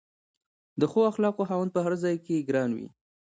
د ښو اخلاقو خاوند په هر ځای کې ګران وي.